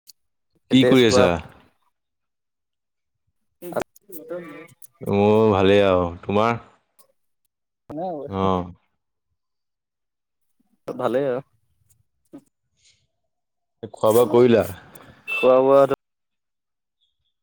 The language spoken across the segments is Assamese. [inaudible] কি কৰি কোৱা আছা? [inaudible] [unintelligible] মোৰ ভালেই আৰু। তোমাৰ? [unintelligible] মোৰো অ' [unintelligible] ভালে আৰু। [unintelligible] এ খোৱা-বোৱা কৰিলা? [inaudible] খোৱা-বোৱাটো [unintelligible]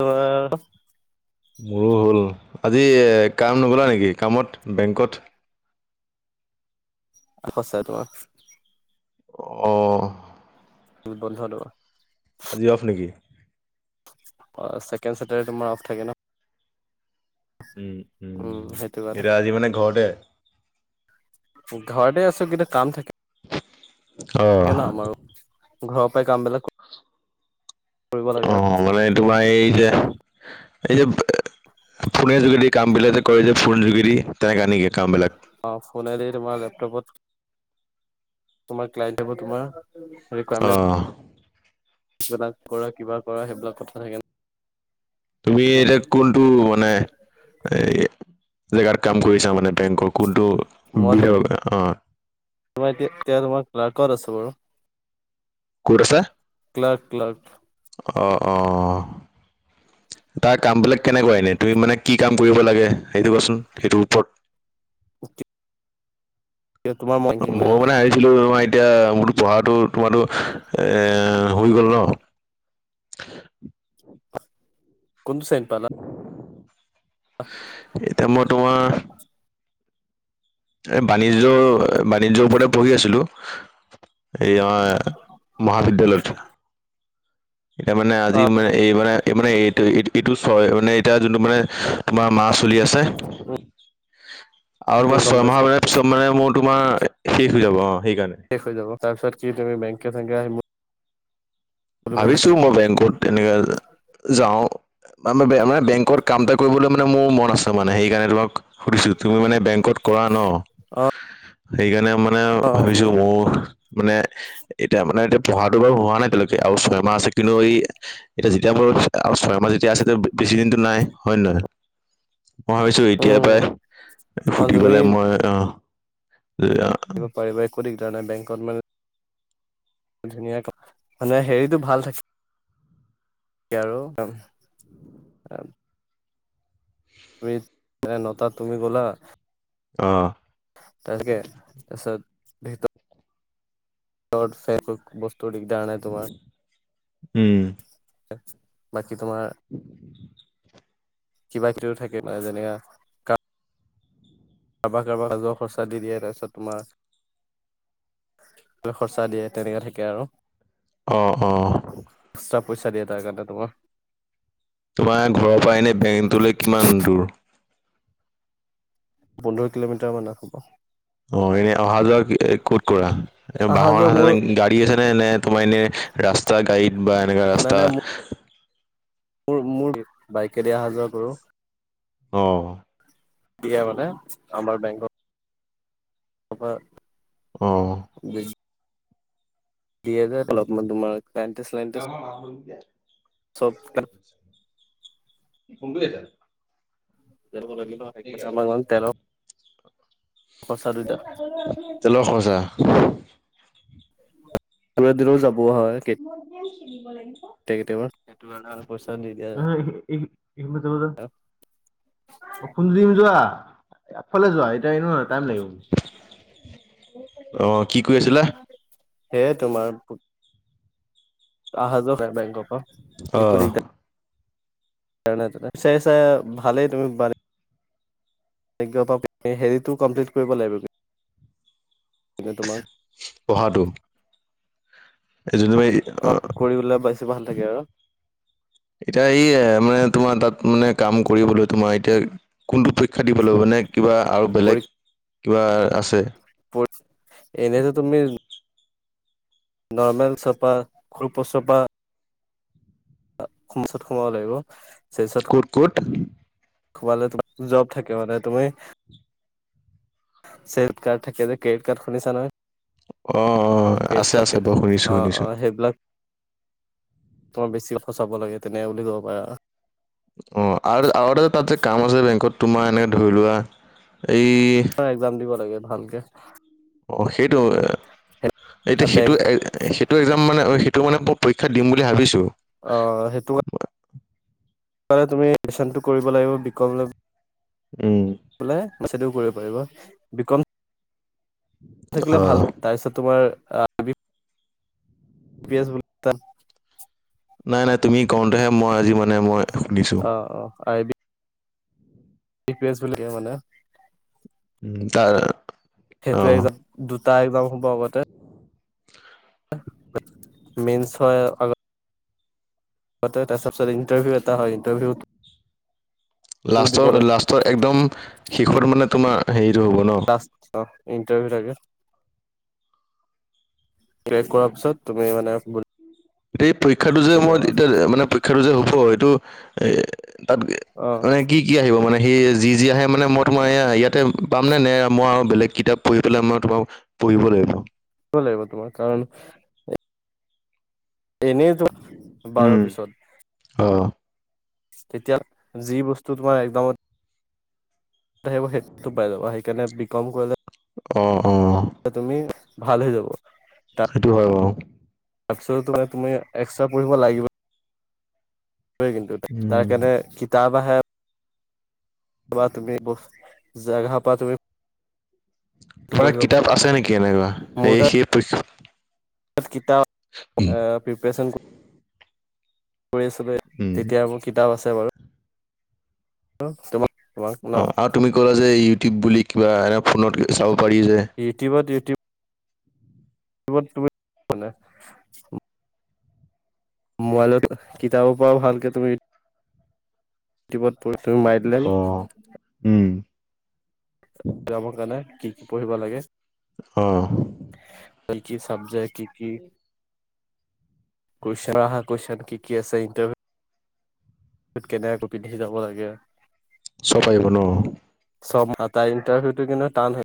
অ [inaudible] মোৰো হ'ল। আজি এ কাম নগ'লা নেকি কামত, বেংকত? [inaudible] [unintelligible] [inaudible] অ! [unintelligible] [unintelligible] আজি অফ নেকি? অ, ছেকেণ্ড চেটাৰডে তোমাৰ অফ থাকে ন। উম উম, সেইটো কাৰণে এতিয়া আজি মানে ঘৰতে। ঘৰতে আছো কিন্তু কাম থা অ', কে ন আমাৰো, ঘৰৰ পৰাই কামবিলাক কৰিব লাগে অঁ। অঁ, মানে তোমাৰ এইযে, এই যে ফোনে যোগেদি কামবিলাক যে কৰে যে ফোন যোগেদি, তেনেকা নেকি কামবিলাক? অঁ, ফোনেৰে তোমাৰ লেপটপত, তোমাৰ ক্লাইণ্ট অহিব তোমাৰ। অ। ৰিকুৱাৰমেন্ট বিলাক কৰা, কিবা কৰা সেইবিলাক কথা থাকে ন। তুমি এতিয়া কোনটো মানে, এই জেগাত কাম কৰিছা মানে বেংকৰ কোনটো মই বিভাগত, অঁ। তোমাৰ এতি এতিয়া তোমাৰ ক্লাৰ্কত আছো বাৰু। ক'ত আছা? Clerk clerk. অ অ। তাৰ কাম বিলাক কেনেকুৱা ইনে তুমি মানে কি কাম কৰিব লাগে, সেইটো কোৱাচোন সেইটোৰ ওপৰত। তোমাৰ অঁ, বেংকিং ময়ো লাইনত মানে ভা ছিলো তোমাৰ এতিয়া মোৰতো পঢ়াটো তোমাতো এ হৈ গ'ল ন। [inaudible] কোন চেম পালা? এতিয়া মই তোমাৰ এ, বাণিজ্যৰ বাণিজ্যৰ ওপৰতে পঢ়ি আছিলো। এই আমাৰ মহাবিদ্যালয়ত। এতিয়া মানে অ আজি মানে এই মানে, এই মানে এইটো এইটো চয় মানে এতিয়া যোনটো মানে তোমাৰ মাছ চলি আছে। আৰু উম তোমাৰ গম ছয় পাইছো মাহৰ পিছত চব মানে মোৰ তোমাৰ শেষ হৈ যাব অঁ, সেইকাৰণে। শেষ হৈ যাব, তাৰপিছত কি তুমি বংকে চেংকে আহিম বুলি ভাবিছা ভাবিছো নেকি মই বেংকত এনেকা যাওঁ, মানে বেয়া ন বেংকত কাম এটা কৰিবলে মানে মোৰ মন আছে, মানে সেইকাৰণে তোমাক সুধিছো তুমি মানে বেংকত কৰা ন, অ সেইকাৰণে মা নে অ ভাবিছো মোৰ মানে এতিয়া মানে এতিয়া পঢ়াটো বাৰু হোৱা নাই এতিয়ালৈ। কে আৰু ছয়মাহ আছে। কিন্তু এই এতিয়া যেতিয়া মোৰ আৰু ছয় মাহ যেতিয়া আছে বেছি দিনটো নাই হয় নে নহয়? মই ভাবিছো এতিয়া উম, পৰাই অ' সুধি তুমি পেলাই মই অঁ, এ দিব পাৰিবা একো দিগদাৰ নাই, বেংকত মানে ধুনীয়াক, মানে হেৰিটো ভাল থা কে আৰু। তুমি মানে নটাত তুমি গ'লা। অঁ তাকে, তাৰপিছত ভিত ৰত ফে বস্তু দিগদাৰ নাই তোমাৰ। উম। বাকী তোমৰ, কিবা কিবিও থাকে মানে যেনেকা কাৰোব কাৰোবা ৰাজৰ পইছা দি দিয়ে তাৰপিছত তোমাৰ খৰচা দিয়ে তেনেকে থাকে আৰু অ অ। এক্সট্ৰা পইচা দিয়ে তাৰ কাৰণে তোমাৰ তোমাৰ ঘৰৰ পৰা এনে বেংটোলৈ কিমান দূৰ? পোন্ধৰ কিলোমিটাৰ মান হ'ব। অ এনেই অহা যোৱা ক'ত কৰা? অহা যোৱা মোৰ বাহন গাড়ী আছে নে নে তোমাৰ এনে ৰাস্তা গাড়ীত বা এনেকুৱা ৰাস্তা মোৰ-মোৰ বাইকে দিয়া অহা যোৱা কৰো। অ। বিয়া মানে আমাৰ বেংক [inaudible] অ [inaudible] দুইহেজাৰ অলপ মান তোমাৰ পেনটিন্সলাইন [unintelligible] [unintelligible] [unintelligible] [unintelligible] তেলৰ খৰচা দুটা তেলৰ খৰচা দূৰত দূৰত যাব হয় কে [unintelligible] কেতিয়াবা কেতিয়াবা সেইটো কাৰণ আৰু পইচা নিদিয়া [unintelligible] আগফালে যোৱা এতিয়া নহয় টাইম লাগিব। অ কি কৈ আছিলা? সেয়ে তোমাৰ আহা যোৱা বেংক বেংকৰ পৰা অ। একো দিগদাৰ চাই চাই ভালেই তুমি হেৰিটো কমপ্লিট কৰিব লাগিবে তোমাক পঢ়াটো এই যোনটো এই অ কৰিলে বেছি ভাল থাকে আৰু। এতিয়া এইয়ে মানে তোমাৰ তাত মানে কাম কৰিবলৈ তোমাৰ এতিয়া কোনটো পৰীক্ষা দিব লাগিব? মানে কিবা আৰু বেলেগ কিবা আছে? পৰি এনেতো তুমি নৰ্মেল চফা খুপ চফা [unintelligible] সোমাব লাগিব [unintelligible] ক'ত ক'ত? সোমালে তোমাৰ জব থাকে মানে তুমি চেল্থ কাৰ্ড থাকে যে ক্ৰেডিট কাৰ্ড শুনিছানে? অ অ ক্ৰেডিট আছে আছে কাৰ্ড বাৰু শুনিছো অ অ শুনিছো সেইবিলাক তোমাৰ বেছি সচাব লাগে তেনেকা বুলি কব পাৰা আৰু। অ আৰু আৰু এটা তাত যে কাম আছে বেংকত তোমাৰ এনেকে ধৰি লোৱা এই একজাম দিব লাগে ভালকে অ সেইটো, এতিয়া সেইটো বেংক এ সে টো একজাম মানে, সেইটোমানে মই পৰীক্ষাত দিম বুলি ভাবিছোঁ ৷ অ' সেইটো তুমি এডমিশনটো কৰিব লাগিব বিকম লৈ উম'। পেলায় বেছি দূৰ কৰিব পাৰিবা, বিকম অ থাকিলে ভাল। তাৰপিছত তোমাৰ- পিয়া [unintelligible] নাই নাই তুমি কওঁতেহে মই আজি মানে মই- শুনিছো অহ-অহ' আৰু- ই পি এছ [unintelligible] লাগে মানে ৷ উমঁ' তাৰ অ সেইটো একজাম, দুটা একজাম হ'ব আগতে। মন্ছ হয় আগ তে তাৰ পিছত ইন্টাৰভিউ এটা হয়, ইন্টাৰভিউ লাষ্টৰ, লাষ্টৰ একদম শেষত মানে তোমাৰ হেৰিটো হ'ব ন? ইণ্টাৰভিউ লাগে। [unintelligible] কৰাৰ পিছত তুমি মানে এই পৰীক্ষাটো যে মই যাবা এতিয়া মানে পৰীক্ষাটো যে হ'ব এইটো এ তাত অ মানে কি কি আহিব মানে সি যি যি আহে মানে মই তোমাৰ ইয়াতে পামনে, নে মই আৰু বেলেগ কিতাপ পঢ়ি পেলাই মই তোমাৰ পঢ়িব লাগিব। পঢ়িব লাগিব তোমাৰ কাৰণ এনেই তোমাৰ বাৰৰ উম। পিছত- অ তেতিয়া হ'লে যি বস্তু তোমাৰ একজামত আহিব সেইটোতো পাই যাবা। সেইকাৰণে বিকম কৰিলে অহ-অহ'। তুমি ভাল হৈ যাব। সেইটো হয় বাৰু। তাৰপিছতো তোমাৰ তুমি এক্সট্ৰা পঢ়িব লাগিব- পাৰে কিন্তু তাৰ উম। কাৰণে কিতাপ আহে। [unintelligible] তুমি জেগাপৰা তুমি- তোমাৰ পঢ়িব লগত পাৰা কিতাপ আছে নেকি এনেকুৱা? মোৰ এই সেই কিতাপ প্ৰিপৰে্যন কৰি [unintelligible] উম। তেতিয়াৰ মোৰ কিতাপ আছে বাৰু। [unintelligible] ন অ' আৰু তুমি ক'লা যে ইউটিউব বুলি কিবা এনে ফোনত চাব পাৰি যে। ইউটিবত ইউটি বত তুমি [unintelligible] মানে। মোবাইলত কিতাপৰ পৰাও ভালকৈ তুমি [unintelligible] ইউটিউবত পঢ়ি তুমি মাৰি দিলে উমঁ'। একজামৰ কাৰণে কি কি পঢ়িব লাগে। অঁ। বল্কি চাবজেক্ট কি কি? কৈশন আহ' কেশচ্চন কি কি আছে ইনটাভিউ [unintelligible] কেনে আকৌ পিন্ধি যাব লাগে। চ'ব আহিব ন? চব তাৰ তাই ইণ্টাৰভিউটো কিন্তু টান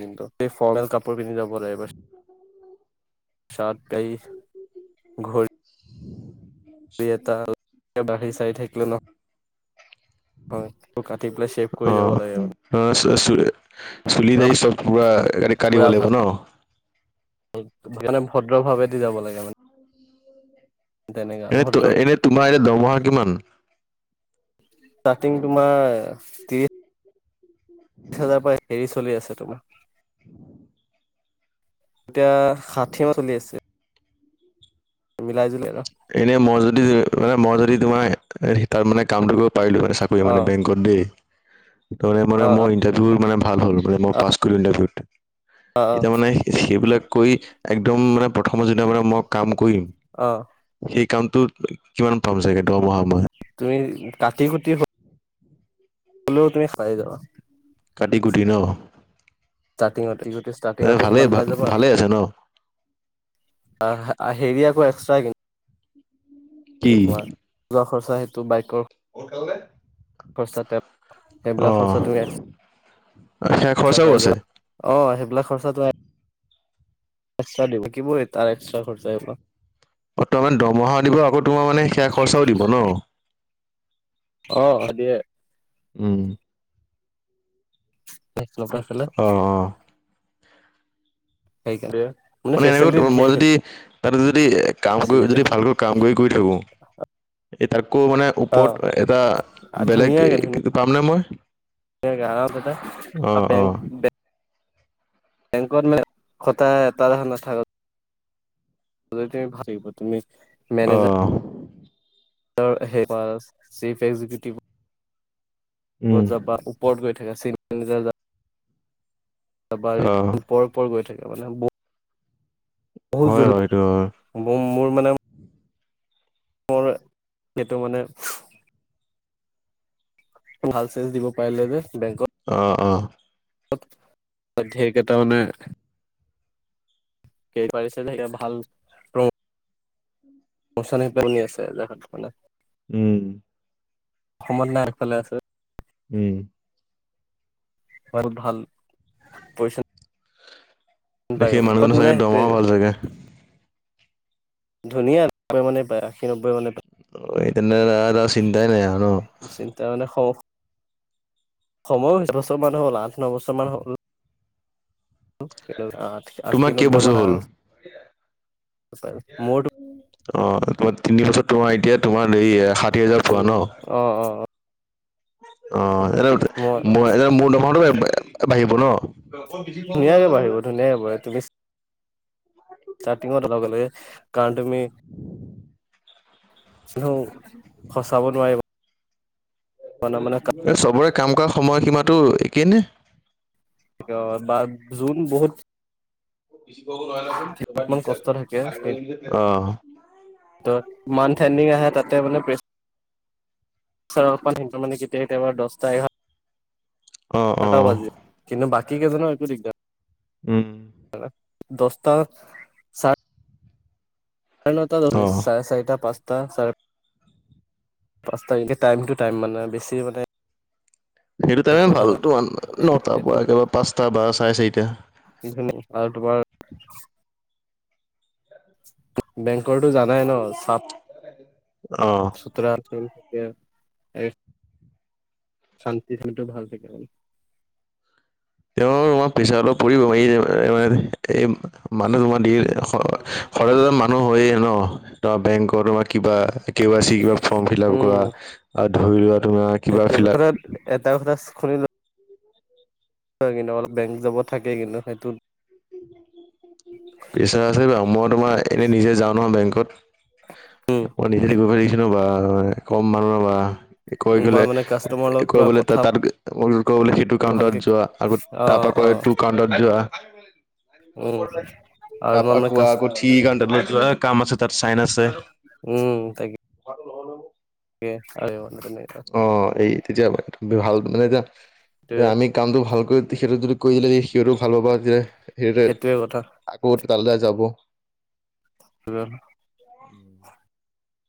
কিন্তু সেই ফৰ্মেল কাপোৰ পিন্ধি যাব লাগিব। চাৰ্ট হেৰি ঘড়ী। [inaudible] দুই এটাৰ বাঢ়ি চাই থাকিলে ন। হয়, কাটি পেলাই চেভ কৰি যাব লাগে মানে। অঁ, চ- চ চুলি, পুৰা দাৰি চব পুৰা কাটিব পুৰা লাগিব ভাল ন? মানে ভদ্ৰ ভাৱেদি যাব লাগে মানে। তেনেকা এ ভদ্ৰ এনেই তোমাৰ এতিয়া দমহা কিমান ষ্টাৰ্টিং তোমাৰ ত্ৰিশ বিশ হাজাৰ পৰা হেৰি চলি আছে তোমাৰ। এতিয়া ষাঠি মাহ চলি আছে মিলাই জুলি আৰু এনেই মই যদি, এনেই মই যদি তোমাৰ তাৰ মানে কামটো কৰিব পাৰিলোঁ মানে চাকৰি অ মানে বেংক কম দেই ত মানে অ অ মই ইণ্টাৰভিউ মানে ভাল হ'ল, মই পাছ কৰি ইণ্টাৰভিউত। অ অ এতিয়া মানে সেইবিলাক কৰি একদম মানে প্ৰথমত যেতিয়া মানে মই কাম কৰিম, অঁ'। সেই কামটো কিমান পাম চাগে দৰমহা মই? তুমি কাটি কুটি হলেও তুমি খাই যাবা। কাটি কুটি ন! ষ্টাৰ্টিঙতে সিহঁতে, এ ষ্টাৰ্টিঙতে ভালেই সিমান পাই যাবা ভালে আছে ন? আহ হেৰি আকৌ এক্সট্ৰা কিন্তু, কি? কিন্তু, তোমাৰ যোৱা খৰচা সেইটো বাইকৰ সোনকালে- খৰচা সেইবিলাক অহ। খৰচা পাই সেয়া খৰচাও আছে। যাবা অহ, সেইবিলাক খৰচাটো এক্সট্ৰা দিব, কিব এটাৰ এক্সট্ৰা খৰচা আহিব। বৰ্তমান দৰমহাও দিব আকৌ তোমাৰ মানে সেয়া খৰচাও দিব ন! অহ, দিয়ে। উম। অ [unintelligible] অ সেইটোৱে মানে এনেকৈ মই যদি তাত যদি এ কাম কৰি ফেচিলিটি যদি ভালকৈ কাম কৰি গৈ থাকোঁ, এই তাকো মানে অ ওপৰত এটা বেলেগ ধুনীয়াকে এই পামনে মই? অ [unintelligible] অ বেংক বেংকত নষ্টত তুমি ভাল লাগিব তুমি মেনেজাৰ অহ [unintelligible] কত উম যাবা ওপৰত গৈ থাকা চিন- তাৰ পৰা অ ওপৰে ওপৰে গৈ থাকে মানে- বহুত হয় জ হয় সেইটো হয় মোৰ মোৰ মানে মোৰ এইটো মানে- ভাল চেল দিব পাৰিলে যে বেংকত। অ', অ'। ত' অধ্যেক এটা মানে- সেই পাইছে নে এতিয়া ভাল- মচান পনি আছে এহাত মানে উম। অসমত নাই এইফালে আছে। উম। বহুত ভাল পইচা বেছি মানুহজনৰ মানে চাগে সেইটোৱে দৰমহাও ভাল চাগে। ধুনীয়া একানবৈ মানে পায় আষী নবৈ মানে পায়। অ তেনেহলে সিহঁতৰ চিন্তাই নাই ন। চিন্তা মানে সম সময়ো হৈছে বছৰ মান হ'ল আঠ ন বছৰ মান হল। এইটো আঁ আশী তোমাৰ নব্বৈ কেইবছৰ মান হ'ল আৰামচে মোৰটো অ, তোমাৰ তিনি বছৰ তোমাৰ এতিয়া তোমাৰ এই সাত উম, অ-অ-অ অ', মই [inaudible] মোৰ দৰমহাটো বাঢ়িব ন? ধুনীয়াকে বাঢ়িব ধুনাকে বাঢ়ে তুমি ষ্টাৰ্টিংত লগে লগে কাৰণ তুমি কোনেও ফচাব নোৱাৰিব। মানে এ চবৰে কাম কৰা সময়সীমাতো একেই নে। অ বা জোন বহুত অলপমান কষ্ট থাকে [unintelligible] অ ত মানথেণ্ডিং আহে তাতে মানে প্ৰে পেচাৰ অকমান সি মানে কেতিয়াবা কেতিয়াবা দহটা এঘাৰটা অ টা অ', বাজি কিন্তু বাকী কেইজনৰ একো উম, দিগদাৰ নাই দচটা চাৰে ন টা অ'। চাৰে চাৰিটা পাঁচটা পাঁচটা এনেকে টাইমটো টাইম মানে বেছি মানে সেইটো টাইমে একো ভাল ঝামেলা তোৰ নটাৰ সেইটো পৰা একবাৰে পাঁচটা বা চাৰে চাৰিটা। [unintelligible] তোমাৰ বেংকৰতো জানাই ন চাপ অ [unintelligible] শান্তি সেইটো ভাল থাকে। তেওঁ আমাৰ পেচাৰটো অলপ পৰিবইটো মানে এই মানুহ তোমাৰ দিয়ে যে খৰজ খৰজ মানুহ হয়েই ন। তোৰ বেংকৰ তোমাক কিবা কে আই চি কিবা ফৰ্ম ফিলাপ কৰা আৰু ধৰি লোৱা তোমাক সেইটোৱে কথা এটা কথা শুনিলো হয় কিন্তু অলপ বেংক যাব থাকে কিন্তু সেইটোত। [inaudible] পইছাৰ আছে বাৰু মই তোমাৰ এনে নিজে যাওঁ নহয় বেংকত। উম মই নিজে গৈ পেলাই দেখিছোঁ ন বা কম মানুহৰ বা। গৈ উম মই পেলাই মানে কাষ্টমাৰ লগত পুৰা কৰিবলে কথা ত তাত [unintelligible] সেইটো ভালকে কাউটত যোৱা আকৌ অ তাৰ পৰা অ কয় ইটো কাউণ্টত যোৱা। উম আৰু তোমাৰ তাপা মানে আকৌ কাচ কোৱা থ্ৰি আ তাত কাম আছে তাত চাইন আছে। উম তাকে। ভাল নহ'লে এ আইয় এনে অঁ, এই তেতিয়া ভাল মানে, এতিয়া সেইটোৱে আমি কামটো ভালকৈ সিহঁতক যদি কৰি দিলে যদি সিহঁটো ভাল পাব যে সিহঁতে সেইটোৱে কথা আকৌ তালে যাব। উম।